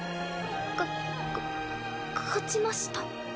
かか勝ちました。